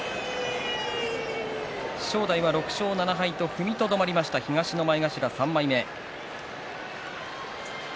正代は６勝７敗と踏みとどまりました東の前頭３枚目。